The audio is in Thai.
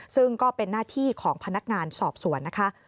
ซึ่งก็เป็นหน้าที่ของพนักงานสอบสวนนะคะ